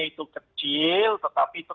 itu kecil tetapi itu